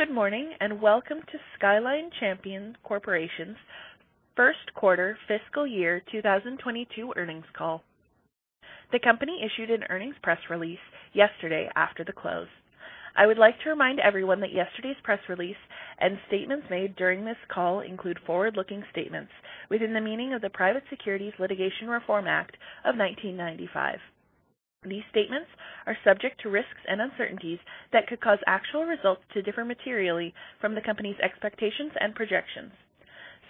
Good morning, welcome to Skyline Champion Corporation's First Quarter Fiscal Year 2022 Earnings Call. The company issued an earnings press release yesterday after the close. I would like to remind everyone that yesterday's press release and statements made during this call include forward-looking statements within the meaning of the Private Securities Litigation Reform Act of 1995. These statements are subject to risks and uncertainties that could cause actual results to differ materially from the company's expectations and projections.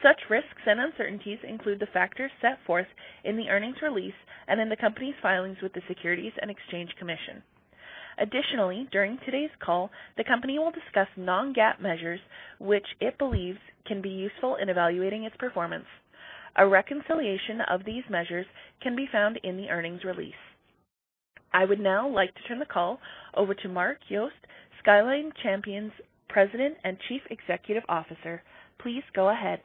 Such risks and uncertainties include the factors set forth in the earnings release and in the company's filings with the Securities and Exchange Commission. Additionally, during today's call, the company will discuss non-GAAP measures which it believes can be useful in evaluating its performance. A reconciliation of these measures can be found in the earnings release. I would now like to turn the call over to Mark Yost, Skyline Champion's President and Chief Executive Officer. Please go ahead.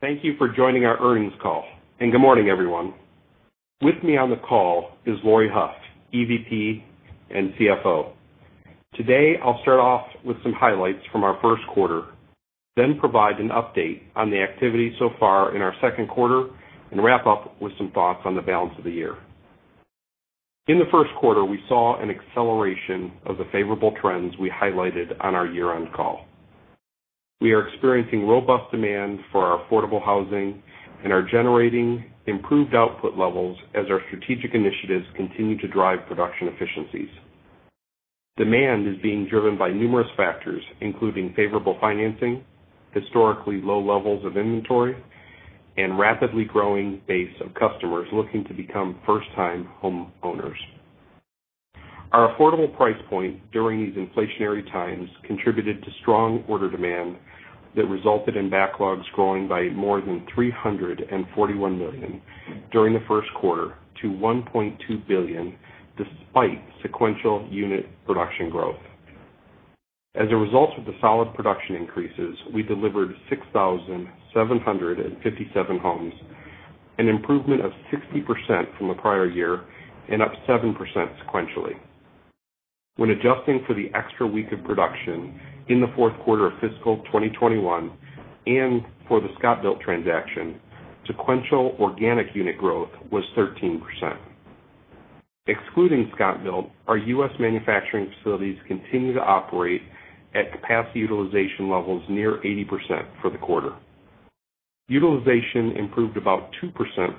Thank you for joining our earnings call, and good morning, everyone. With me on the call is Laurie Hough, EVP and CFO. Today, I'll start off with some highlights from our first quarter, then provide an update on the activity so far in our second quarter and wrap up with some thoughts on the balance of the year. In the first quarter, we saw an acceleration of the favorable trends we highlighted on our year-end call. We are experiencing robust demand for our affordable housing and are generating improved output levels as our strategic initiatives continue to drive production efficiencies. Demand is being driven by numerous factors, including favorable financing, historically low levels of inventory, and rapidly growing base of customers looking to become first-time homeowners. Our affordable price point during these inflationary times contributed to strong order demand that resulted in backlogs growing by more than $341 million during the first quarter to $1.2 billion, despite sequential unit production growth. As a result of the solid production increases, we delivered 6,757 homes, an improvement of 60% from the prior year and up 7% sequentially. When adjusting for the extra week of production in the fourth quarter of fiscal 2021 and for the ScotBilt transaction, sequential organic unit growth was 13%. Excluding ScotBilt, our U.S. manufacturing facilities continue to operate at capacity utilization levels near 80% for the quarter. Utilization improved about 2%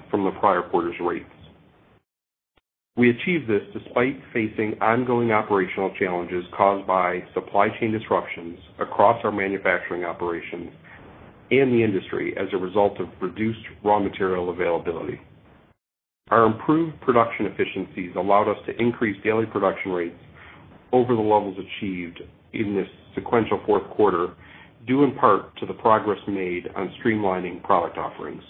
from the prior quarter's rates. We achieved this despite facing ongoing operational challenges caused by supply chain disruptions across our manufacturing operations and the industry as a result of reduced raw material availability. Our improved production efficiencies allowed us to increase daily production rates over the levels achieved in the sequential fourth quarter, due in part to the progress made on streamlining product offerings.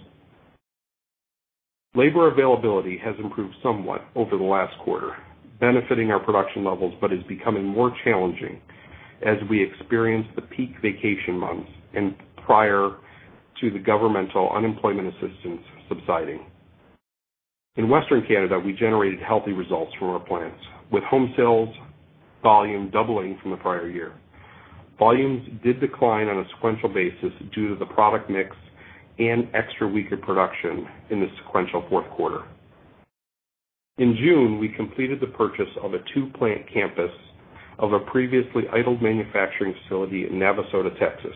Labor availability has improved somewhat over the last quarter, benefiting our production levels, but is becoming more challenging as we experience the peak vacation months and prior to the governmental unemployment assistance subsiding. In Western Canada, we generated healthy results from our plants, with home sales volume doubling from the prior year. Volumes did decline on a sequential basis due to the product mix and extra week of production in the sequential fourth quarter. In June, we completed the purchase of a two-plant campus of a previously idled manufacturing facility in Navasota, Texas.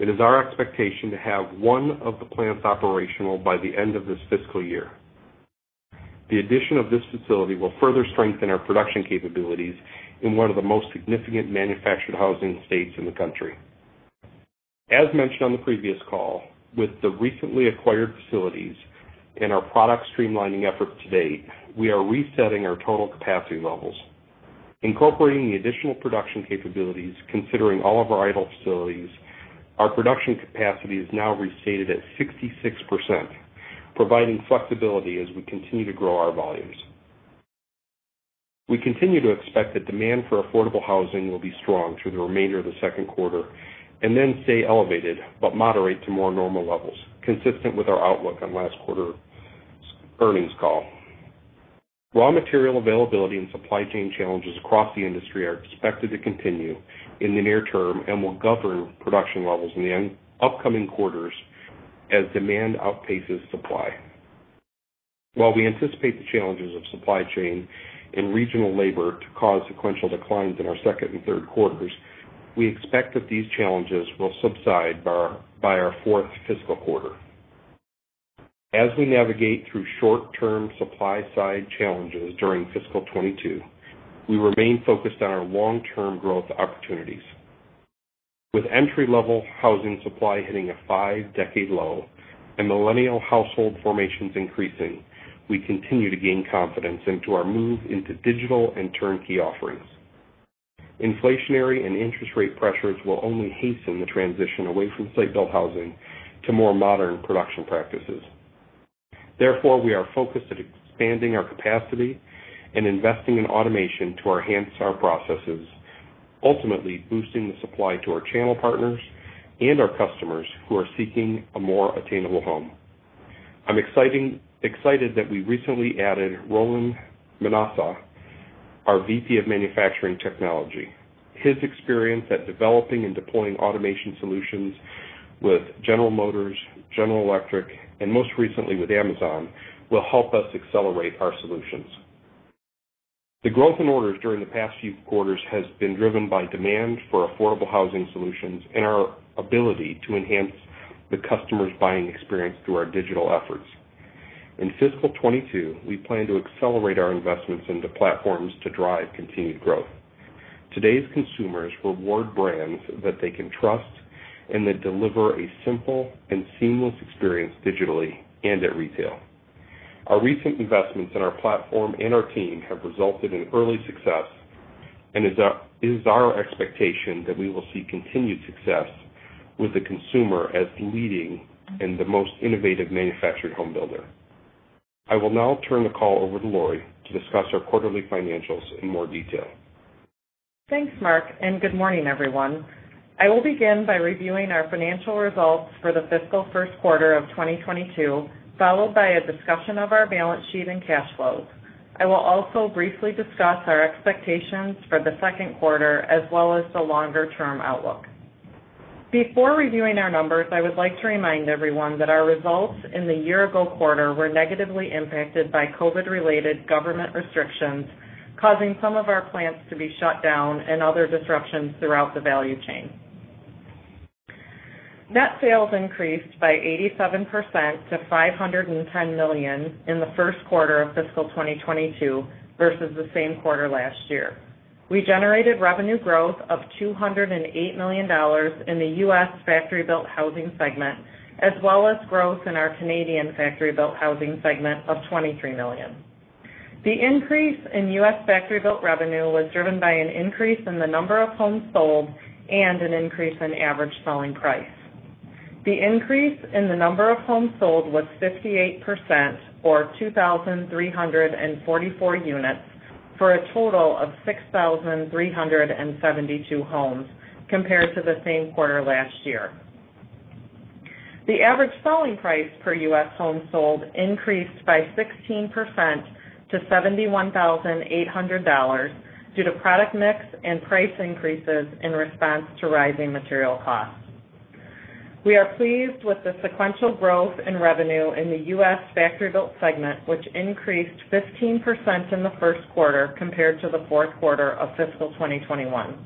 It is our expectation to have one of the plants operational by the end of this fiscal year. The addition of this facility will further strengthen our production capabilities in one of the most significant manufactured housing states in the country. As mentioned on the previous call, with the recently acquired facilities and our product streamlining efforts to date, we are resetting our total capacity levels. Incorporating the additional production capabilities, considering all of our idle facilities, our production capacity is now restated at 66%, providing flexibility as we continue to grow our volumes. We continue to expect that demand for affordable housing will be strong through the remainder of the second quarter and then stay elevated but moderate to more normal levels, consistent with our outlook on last quarter's earnings call. Raw material availability and supply chain challenges across the industry are expected to continue in the near term and will govern production levels in the upcoming quarters as demand outpaces supply. While we anticipate the challenges of supply chain and regional labor to cause sequential declines in our second and third quarters, we expect that these challenges will subside by our fourth fiscal quarter. As we navigate through short-term supply side challenges during fiscal 2022, we remain focused on our long-term growth opportunities. With entry-level housing supply hitting a five decade low and Millennial household formations increasing, we continue to gain confidence into our move into digital and turnkey offerings. Inflationary and interest rate pressures will only hasten the transition away from site-built housing to more modern production practices. Therefore, we are focused at expanding our capacity and investing in automation to enhance our processes, ultimately boosting the supply to our channel partners and our customers who are seeking a more attainable home. I'm excited that we recently added Roland Manasseh, our VP of Manufacturing Technology. His experience at developing and deploying automation solutions with General Motors, General Electric, and most recently with Amazon, will help us accelerate our solutions. The growth in orders during the past few quarters has been driven by demand for affordable housing solutions and our ability to enhance the customer's buying experience through our digital efforts. In fiscal 2022, we plan to accelerate our investments into platforms to drive continued growth. Today's consumers reward brands that they can trust and that deliver a simple and seamless experience digitally and at retail. Our recent investments in our platform and our team have resulted in early success, and it is our expectation that we will see continued success with the consumer as leading and the most innovative manufactured home builder. I will now turn the call over to Laurie to discuss our quarterly financials in more detail. Thanks, Mark. Good morning, everyone. I will begin by reviewing our financial results for the fiscal first quarter of 2022, followed by a discussion of our balance sheet and cash flows. I will also briefly discuss our expectations for the second quarter, as well as the longer-term outlook. Before reviewing our numbers, I would like to remind everyone that our results in the year-ago quarter were negatively impacted by COVID-related government restrictions, causing some of our plants to be shut down and other disruptions throughout the value chain. Net sales increased by 87% to $510 million in the first quarter of fiscal 2022 versus the same quarter last year. We generated revenue growth of $208 million in the U.S. factory-built housing segment, as well as growth in our Canadian factory-built housing segment of $23 million. The increase in U.S. factory-built revenue was driven by an increase in the number of homes sold and an increase in average selling price. The increase in the number of homes sold was 58%, or 2,344 units, for a total of 6,372 homes compared to the same quarter last year. The average selling price per U.S. home sold increased by 16% to $71,800 due to product mix and price increases in response to rising material costs. We are pleased with the sequential growth in revenue in the U.S. factory-built segment, which increased 15% in the first quarter compared to the fourth quarter of fiscal 2021.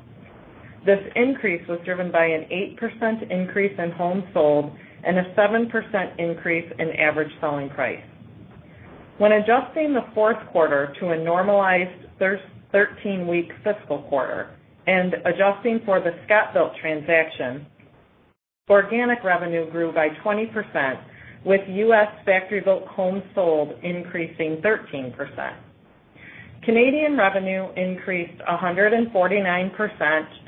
This increase was driven by an 8% increase in homes sold and a 7% increase in average selling price. When adjusting the fourth quarter to a normalized 13-week fiscal quarter and adjusting for the ScotBilt transaction, organic revenue grew by 20%, with U.S. factory-built homes sold increasing 13%. Canadian revenue increased 149%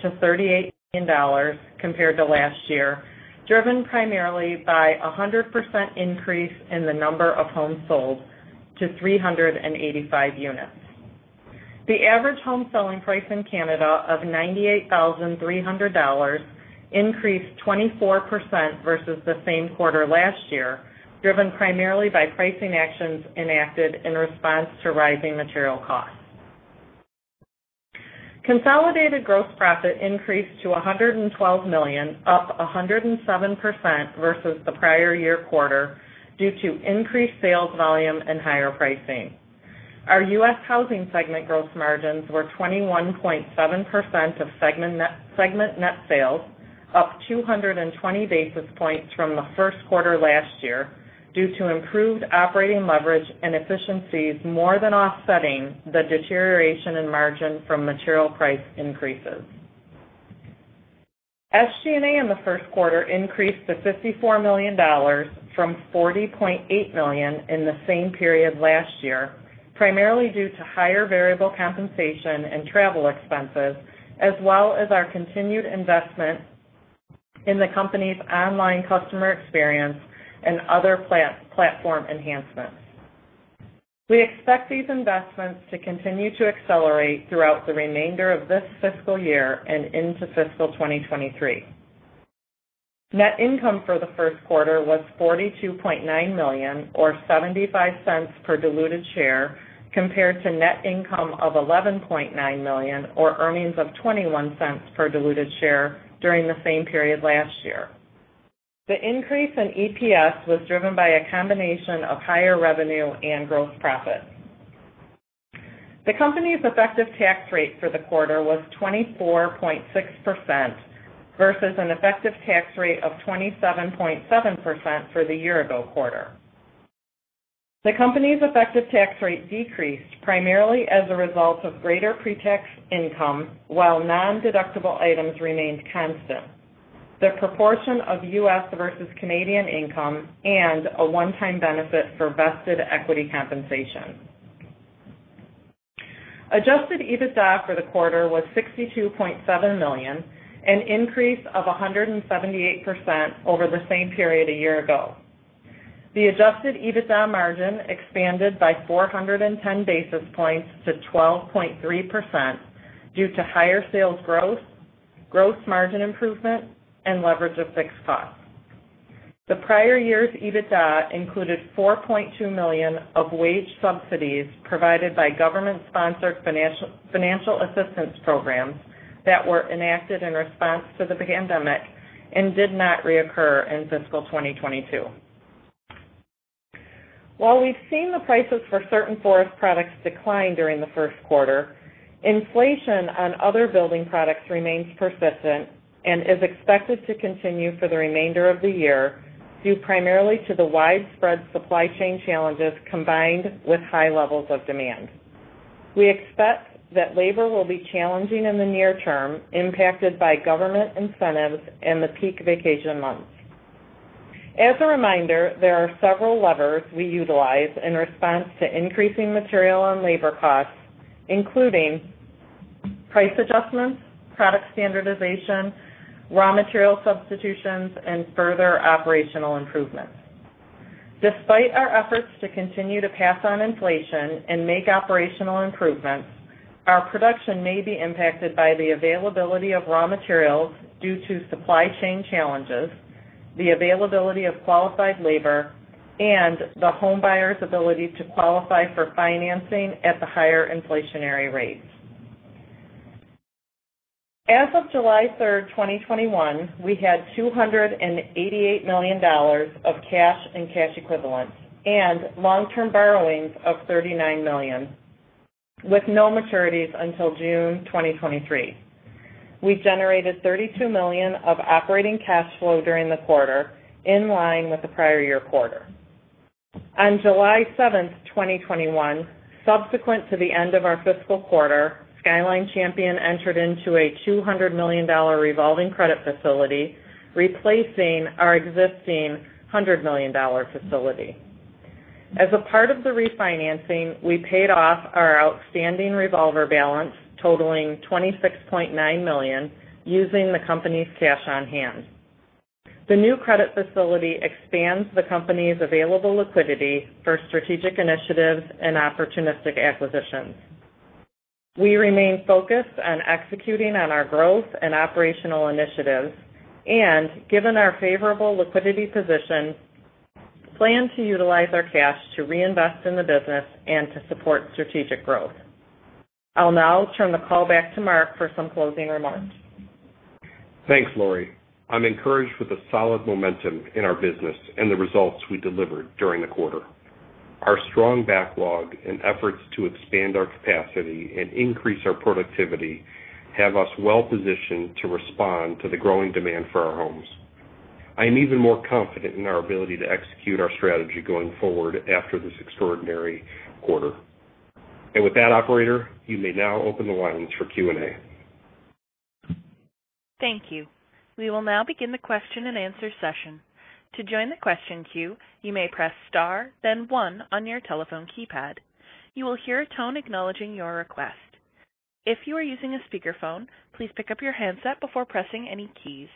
to 38 million dollars compared to last year, driven primarily by 100% increase in the number of homes sold to 385 units. The average home selling price in Canada of 98,300 dollars increased 24% versus the same quarter last year, driven primarily by pricing actions enacted in response to rising material costs. Consolidated gross profit increased to $112 million, up 107% versus the prior year quarter due to increased sales volume and higher pricing. Our U.S. housing segment gross margins were 21.7% of segment net sales, up 220 basis points from the first quarter last year due to improved operating leverage and efficiencies more than offsetting the deterioration in margin from material price increases. SG&A in the first quarter increased to $54 million from $40.8 million in the same period last year, primarily due to higher variable compensation and travel expenses, as well as our continued investment in the company's online customer experience and other platform enhancements. We expect these investments to continue to accelerate throughout the remainder of this fiscal year and into fiscal 2023. Net income for the first quarter was $42.9 million, or $0.75 per diluted share, compared to net income of $11.9 million, or earnings of $0.21 per diluted share during the same period last year. The increase in EPS was driven by a combination of higher revenue and gross profit. The company's effective tax rate for the quarter was 24.6% versus an effective tax rate of 27.7% for the year-ago quarter. The company's effective tax rate decreased primarily as a result of greater pre-tax income while nondeductible items remained constant, the proportion of U.S. versus Canadian income, and a one-time benefit for vested equity compensation. Adjusted EBITDA for the quarter was $62.7 million, an increase of 178% over the same period a year ago. The adjusted EBITDA margin expanded by 410 basis points to 12.3% due to higher sales growth, Gross margin improvement, and leverage of fixed costs. The prior year's EBITDA included $4.2 million of wage subsidies provided by government-sponsored financial assistance programs that were enacted in response to the pandemic and did not reoccur in fiscal 2022. While we've seen the prices for certain forest products decline during the first quarter, inflation on other building products remains persistent and is expected to continue for the remainder of the year due primarily to the widespread supply chain challenges combined with high levels of demand. We expect that labor will be challenging in the near term, impacted by government incentives and the peak vacation months. As a reminder, there are several levers we utilize in response to increasing material and labor costs, including price adjustments, product standardization, raw material substitutions, and further operational improvements. Despite our efforts to continue to pass on inflation and make operational improvements, our production may be impacted by the availability of raw materials due to supply chain challenges, the availability of qualified labor, and the homebuyer's ability to qualify for financing at the higher inflationary rates. As of July 3rd, 2021, we had $288 million of cash and cash equivalents and long-term borrowings of $39 million, with no maturities until June 2023. We generated $32 million of operating cash flow during the quarter, in line with the prior year quarter. On July 7th, 2021, subsequent to the end of our fiscal quarter, Skyline Champion entered into a $200 million revolving credit facility, replacing our existing $100 million facility. As a part of the refinancing, we paid off our outstanding revolver balance totaling $26.9 million using the company's cash on hand. The new credit facility expands the company's available liquidity for strategic initiatives and opportunistic acquisitions. We remain focused on executing on our growth and operational initiatives, and given our favorable liquidity position, plan to utilize our cash to reinvest in the business and to support strategic growth. I'll now turn the call back to Mark for some closing remarks. Thanks, Laurie. I'm encouraged with the solid momentum in our business and the results we delivered during the quarter. Our strong backlog and efforts to expand our capacity and increase our productivity have us well positioned to respond to the growing demand for our homes. I am even more confident in our ability to execute our strategy going forward after this extraordinary quarter. With that, operator, you may now open the lines for Q&A. Thank you. We will now begin the question-and-answer session. To join the question queue, you may press star then one on your telephone keypad. You will hear a tone acknowledging your request. If you are using a speakerphone, please pick up your handset before pressing any keys.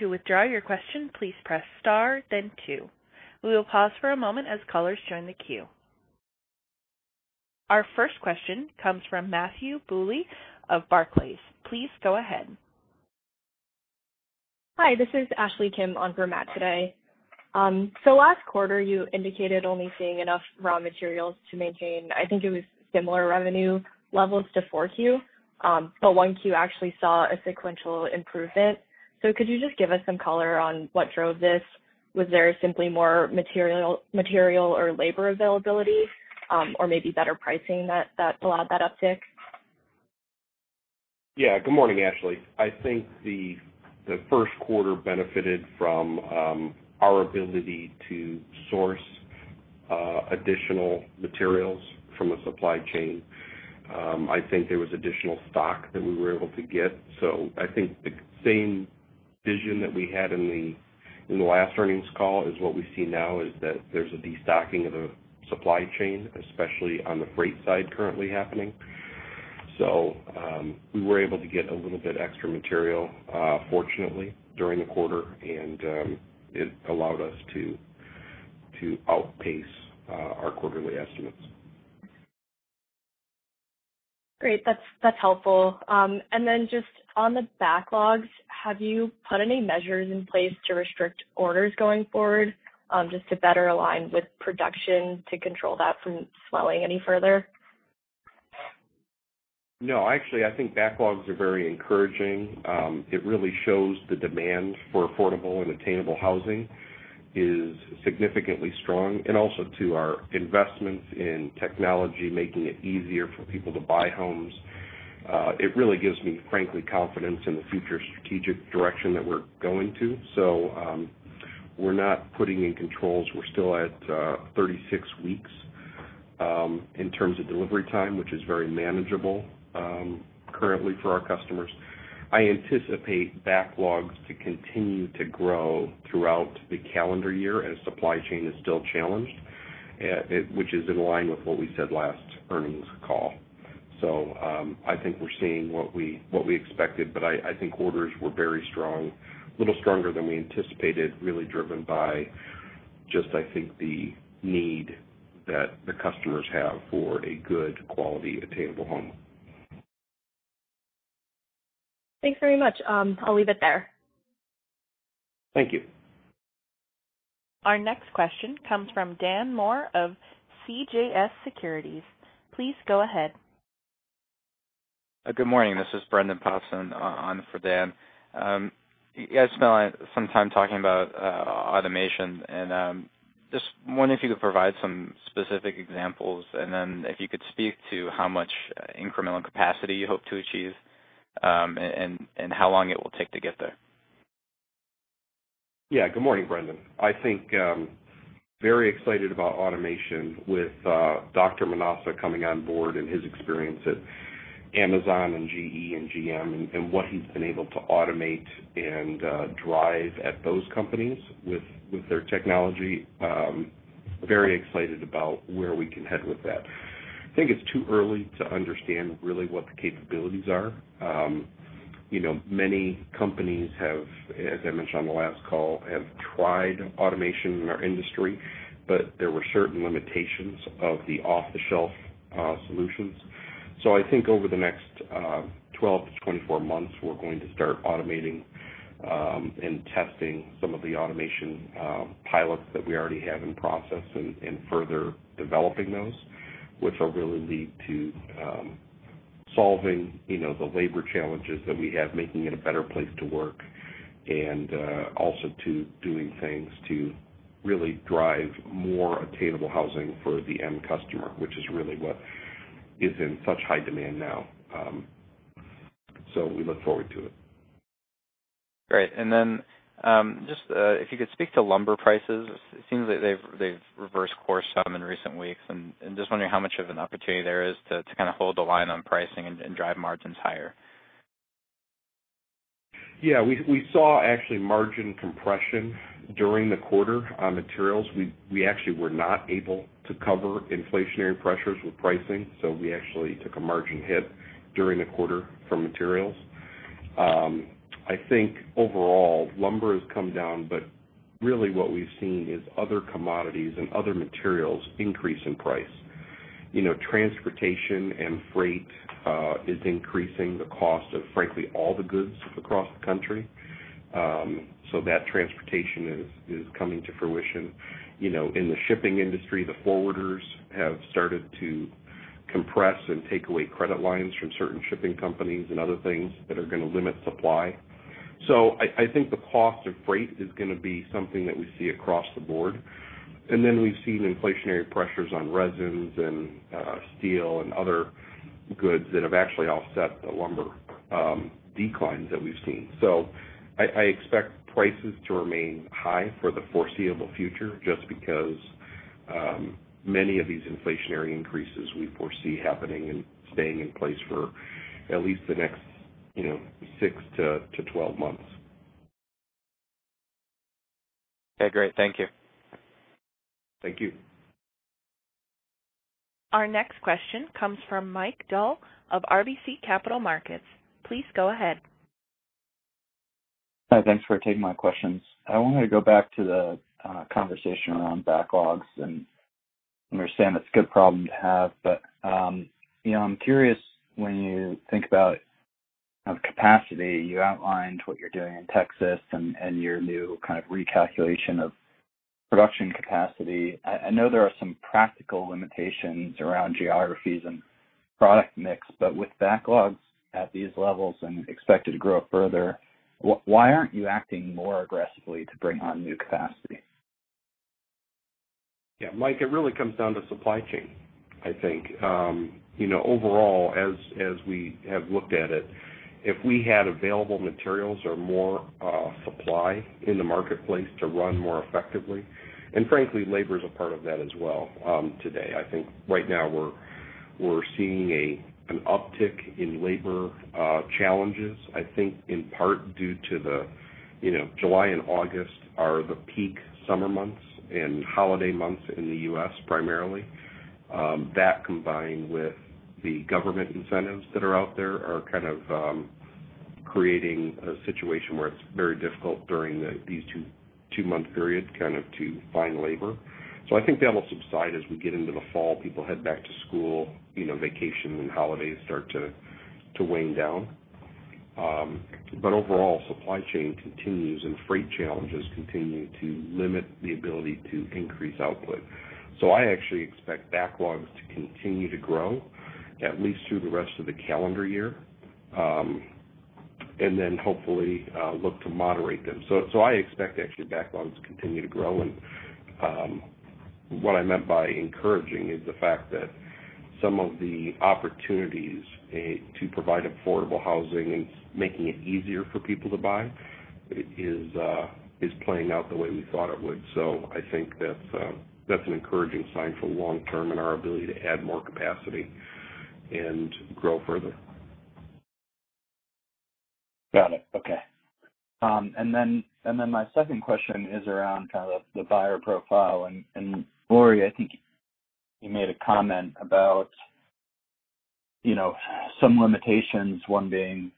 To withdraw your question, please press star then two. We will pause for a moment as callers join the queue. Our first question comes from Matthew Bouley of Barclays. Please go ahead. Hi, this is Ashley Kim on for Matt today. last quarter, you indicated only seeing enough raw materials to maintain, I think it was similar revenue levels to 4Q. 1Q actually saw a sequential improvement. Could you just give us some color on what drove this? Was there simply more material or labor availability, or maybe better pricing that allowed that uptick? Yeah. Good morning, Ashley. I think the first quarter benefited from our ability to source additional materials from a supply chain. I think there was additional stock that we were able to get. I think the same vision that we had in the last earnings call is what we see now, is that there's a destocking of the supply chain, especially on the freight side currently happening. We were able to get a little bit extra material, fortunately, during the quarter, and it allowed us to outpace our quarterly estimates. Great. That's helpful. Just on the backlogs, have you put any measures in place to restrict orders going forward just to better align with production to control that from swelling any further? No. Actually, I think backlogs are very encouraging. It really shows the demand for affordable and attainable housing is significantly strong, and also to our investments in technology, making it easier for people to buy homes. It really gives me, frankly, confidence in the future strategic direction that we're going to. We're not putting in controls. We're still at 36 weeks in terms of delivery time, which is very manageable currently for our customers. I anticipate backlogs to continue to grow throughout the calendar year as supply chain is still challenged, which is in line with what we said last earnings call. I think we're seeing what we expected, but I think orders were very strong. Little stronger than we anticipated, really driven by just, I think, the need that the customers have for a good quality, attainable home. Thanks very much. I'll leave it there. Thank you. Our next question comes from Dan Moore of CJS Securities. Please go ahead. Good morning. This is Brendan Popson on for Dan. You guys spent some time talking about automation and just wondering if you could provide some specific examples and then if you could speak to how much incremental capacity you hope to achieve, and how long it will take to get there? Yeah. Good morning, Brendan. I think I'm very excited about automation with Dr. Manasseh coming on board and his experience at Amazon and GE and GM and what he's been able to automate and drive at those companies with their technology. Very excited about where we can head with that. I think it's too early to understand really what the capabilities are. Many companies have, as I mentioned on the last call, have tried automation in our industry, but there were certain limitations of the off-the-shelf solutions. I think over the next 12 to 24 months, we're going to start automating, and testing some of the automation pilots that we already have in process and further developing those, which will really lead to solving the labor challenges that we have, making it a better place to work and also to doing things to really drive more attainable housing for the end customer, which is really what is in such high demand now. We look forward to it. Great. Just if you could speak to lumber prices, it seems that they've reversed course some in recent weeks and just wondering how much of an opportunity there is to kind of hold the line on pricing and drive margins higher. Yeah, we saw actually margin compression during the quarter on materials. We actually were not able to cover inflationary pressures with pricing, we actually took a margin hit during the quarter from materials. I think overall lumber has come down, really what we've seen is other commodities and other materials increase in price. Transportation and freight is increasing the cost of, frankly, all the goods across the country. That transportation is coming to fruition. In the shipping industry, the forwarders have started to compress and take away credit lines from certain shipping companies and other things that are going to limit supply. I think the cost of freight is going to be something that we see across the board. Then we've seen inflationary pressures on resins and steel and other goods that have actually offset the lumber declines that we've seen. I expect prices to remain high for the foreseeable future just because, many of these inflationary increases we foresee happening and staying in place for at least the next six to 12 months. Okay, great. Thank you. Thank you. Our next question comes from Mike Dahl of RBC Capital Markets. Please go ahead. Hi. Thanks for taking my questions. I wanted to go back to the conversation around backlogs, and I understand it's a good problem to have, but, I'm curious when you think about capacity, you outlined what you're doing in Texas and your new kind of recalculation of production capacity. I know there are some practical limitations around geographies and product mix, but with backlogs at these levels and expected to grow further, why aren't you acting more aggressively to bring on new capacity? Yeah, Mike, it really comes down to supply chain, I think. Overall as we have looked at it, if we had available materials or more supply in the marketplace to run more effectively, and frankly, labor is a part of that as well today. I think right now we're seeing an uptick in labor challenges, I think in part due to the July and August are the peak summer months and holiday months in the U.S. primarily. That combined with the government incentives that are out there are kind of creating a situation where it's very difficult during these two-month periods to find labor. I think that'll subside as we get into the fall, people head back to school, vacation and holidays start to wane down. Overall, supply chain continues and freight challenges continue to limit the ability to increase output. I actually expect backlogs to continue to grow at least through the rest of the calendar year, and then hopefully, look to moderate them. I expect actually backlogs to continue to grow and what I meant by encouraging is the fact that some of the opportunities to provide affordable housing and making it easier for people to buy is playing out the way we thought it would. I think that's an encouraging sign for long-term and our ability to add more capacity and grow further. Got it. Okay. My second question is around kind of the buyer profile and Laurie, I think you made a comment about some limitations, one being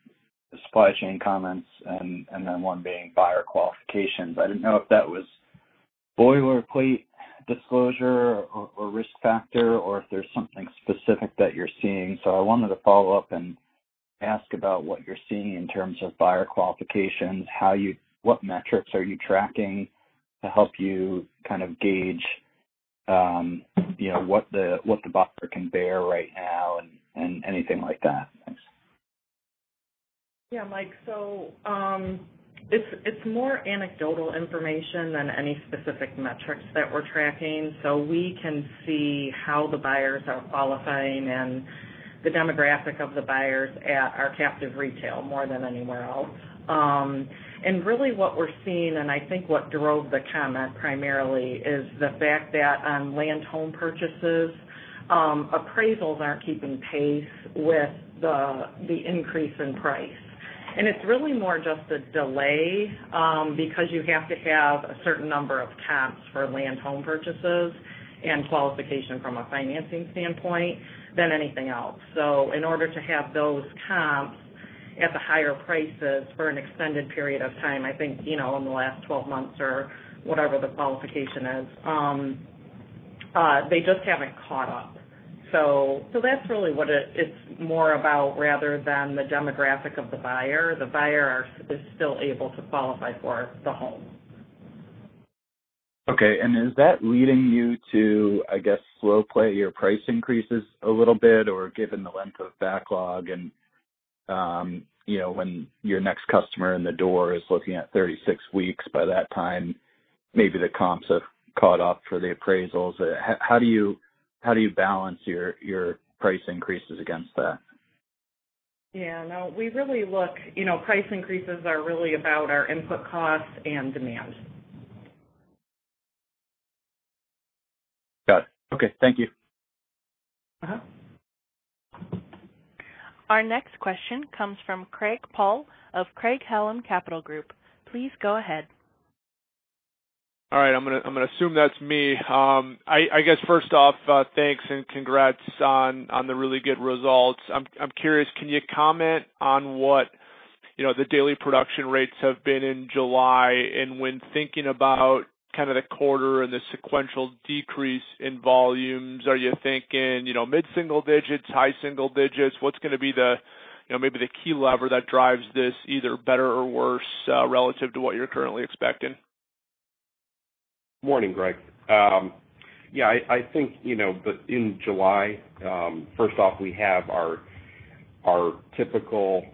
the supply chain comments, and then one being buyer qualifications. I didn't know if that was boilerplate disclosure or risk factor, or if there's something specific that you're seeing. I wanted to follow up and ask about what you're seeing in terms of buyer qualifications. What metrics are you tracking to help you gauge what the buffer can bear right now and anything like that? Thanks. Yeah, Mike. It's more anecdotal information than any specific metrics that we're tracking. We can see how the buyers are qualifying and the demographic of the buyers at our captive retail more than anywhere else. Really what we're seeing, and I think what drove the comment primarily, is the fact that on land home purchases, appraisals aren't keeping pace with the increase in price. It's really more just a delay, because you have to have a certain number of comps for land home purchases and qualification from a financing standpoint than anything else. In order to have those comps at the higher prices for an extended period of time, I think in the last 12 months or whatever the qualification is, they just haven't caught up. That's really what it's more about rather than the demographic of the buyer. The buyer is still able to qualify for the home. Okay. Is that leading you to, I guess, slow play your price increases a little bit, or given the length of backlog and when your next customer in the door is looking at 36 weeks, by that time, maybe the comps have caught up for the appraisals. How do you balance your price increases against that? Yeah, no. Price increases are really about our input costs and demand. Got it. Okay. Thank you. Our next question comes from Greg Palm of Craig-Hallum Capital Group. Please go ahead. All right. I'm going to assume that's me. I guess first off, thanks and congrats on the really good results. I'm curious, can you comment on what the daily production rates have been in July? When thinking about the quarter and the sequential decrease in volumes, are you thinking mid-single digits, high single digits? What's going to be maybe the key lever that drives this either better or worse, relative to what you're currently expecting? Morning, Greg. I think in July, first off, we have our typical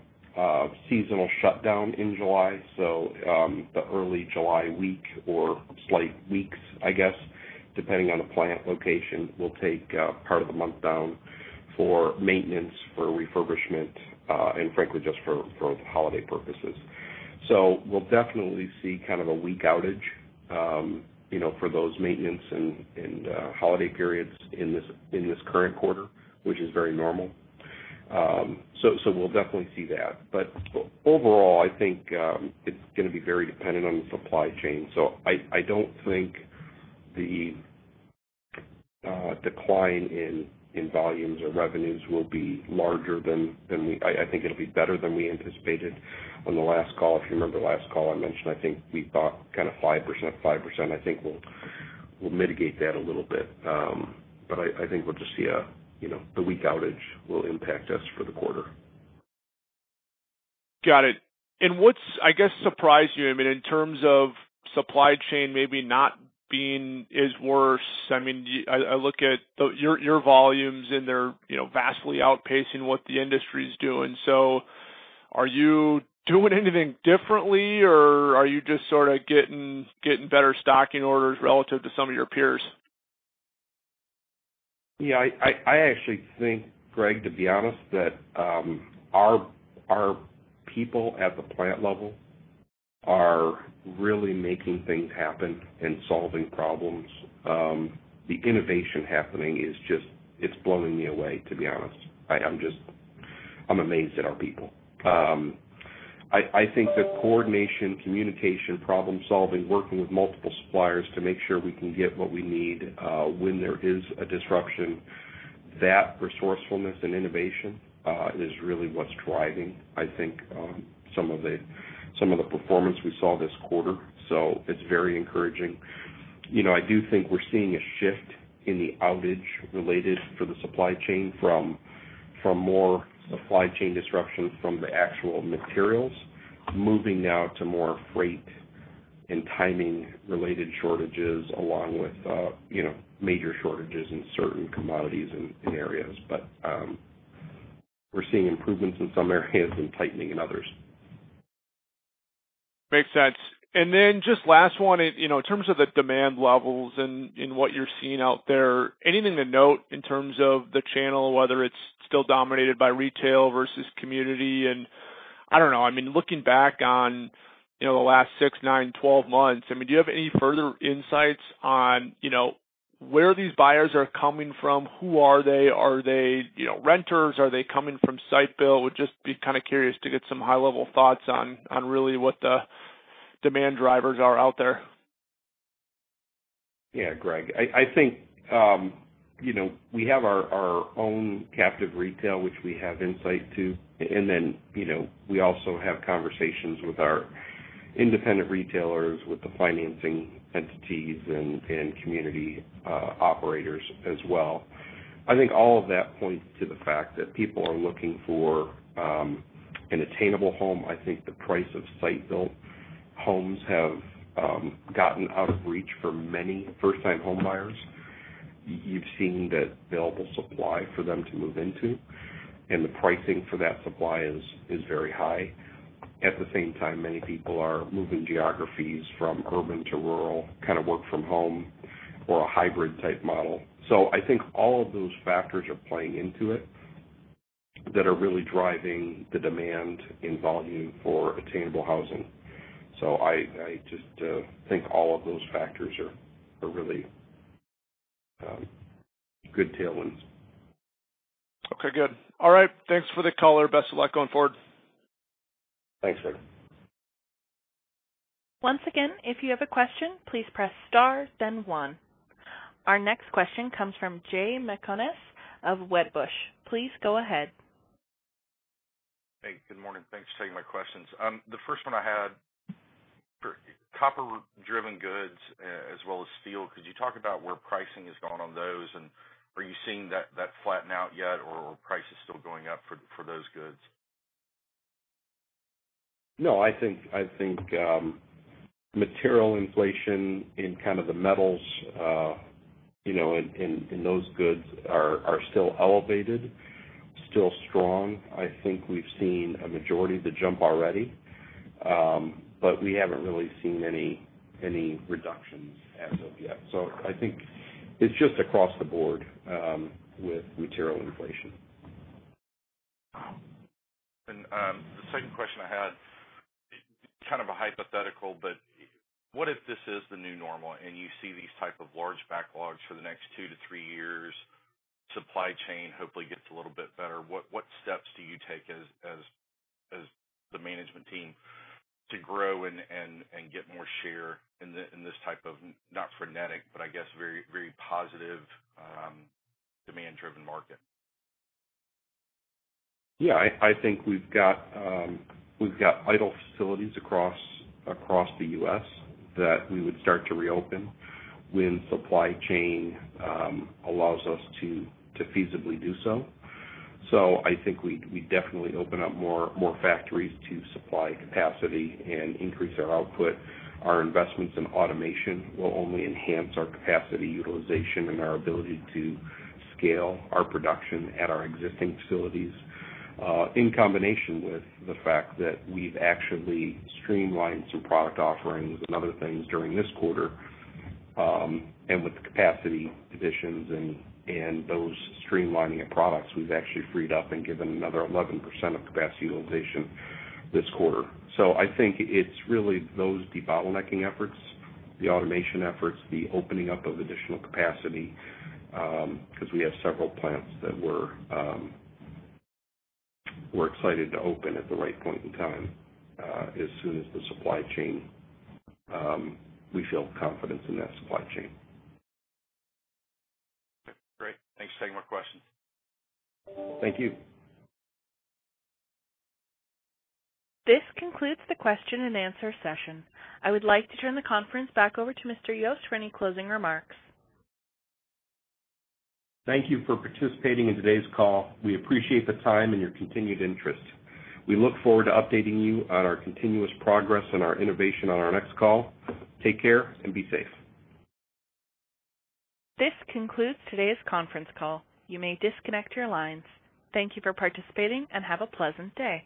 seasonal shutdown in July. The early July week or slight weeks, I guess, depending on the plant location, will take part of the month down for maintenance, for refurbishment, and frankly, just for holiday purposes. We'll definitely see a week outage for those maintenance and holiday periods in this current quarter, which is very normal. We'll definitely see that. Overall, I think it's going to be very dependent on the supply chain. I don't think the decline in volumes or revenues will be larger. I think it'll be better than we anticipated on the last call. If you remember last call, I mentioned I think we thought 5%. I think we'll mitigate that a little bit. I think we'll just see the week outage will impact us for the quarter. Got it. What's, I guess, surprised you, in terms of supply chain maybe not being as worse? I look at your volumes, and they're vastly outpacing what the industry's doing. Are you doing anything differently or are you just sort of getting better stocking orders relative to some of your peers? Yeah, I actually think, Greg, to be honest, that our people at the plant level are really making things happen and solving problems. The innovation happening, it's blowing me away, to be honest. I'm amazed at our people. I think that coordination, communication, problem-solving, working with multiple suppliers to make sure we can get what we need when there is a disruption, that resourcefulness and innovation is really what's driving, I think, some of the performance we saw this quarter. It's very encouraging. I do think we're seeing a shift in the outage related to the supply chain from more supply chain disruptions from the actual materials, moving now to more freight and timing-related shortages, along with major shortages in certain commodities and areas. We're seeing improvements in some areas and tightening in others. Makes sense. Then just last one, in terms of the demand levels and what you're seeing out there, anything to note in terms of the channel, whether it's still dominated by retail versus community? I don't know, looking back on the last six, nine, 12 months, do you have any further insights on where these buyers are coming from? Who are they? Are they renters? Are they coming from site-built? Would just be kind of curious to get some high-level thoughts on really what the demand drivers are out there. Yeah, Greg. I think we have our own captive retail, which we have insight to, and then we also have conversations with our independent retailers, with the financing entities, and community operators as well. I think all of that points to the fact that people are looking for an attainable home. I think the price of site-built homes have gotten out of reach for many first-time homebuyers. You've seen that available supply for them to move into, and the pricing for that supply is very high. At the same time, many people are moving geographies from urban to rural, kind of work from home or a hybrid-type model. I think all of those factors are playing into it that are really driving the demand in volume for attainable housing. I just think all of those factors are really good tailwinds. Okay, good. All right. Thanks for the color. Best of luck going forward. Thanks, Greg. Once again, if you have a question, please press star then one. Our next question comes from Jay McCanless of Wedbush. Please go ahead. Hey, good morning. Thanks for taking my questions. The first one I had, for copper-driven goods as well as steel, could you talk about where pricing has gone on those? Are you seeing that flatten out yet, or are prices still going up for those goods? I think material inflation in kind of the metals and those goods are still elevated, still strong. I think we've seen a majority of the jump already. We haven't really seen any reductions as of yet. I think it's just across the board with material inflation. The second question I had, kind of a hypothetical, but what if this is the new normal and you see these type of large backlogs for the next two to three years, supply chain hopefully gets a little bit better, what steps do you take as the management team to grow and get more share in this type of, not frenetic, but I guess very positive, demand-driven market? Yeah, I think we've got idle facilities across the U.S. that we would start to reopen when supply chain allows us to feasibly do so. I think we'd definitely open up more factories to supply capacity and increase our output. Our investments in automation will only enhance our capacity utilization and our ability to scale our production at our existing facilities. In combination with the fact that we've actually streamlined some product offerings and other things during this quarter, with the capacity additions and those streamlining of products, we've actually freed up and given another 11% of capacity utilization this quarter. I think it's really those debottlenecking efforts, the automation efforts, the opening up of additional capacity, because we have several plants that we're excited to open at the right point in time, as soon as the supply chain. We feel confidence in that supply chain. Okay, great. Thanks for taking my questions. Thank you. This concludes the question-and-answer session. I would like to turn the conference back over to Mr. Yost for any closing remarks. Thank you for participating in today's call. We appreciate the time and your continued interest. We look forward to updating you on our continuous progress and our innovation on our next call. Take care and be safe. This concludes today's conference call. You may disconnect your lines. Thank you for participating, and have a pleasant day.